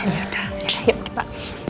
ya udah ya ya pak